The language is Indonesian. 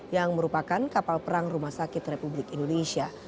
yang merupakan kapal perang rumah sakit republik indonesia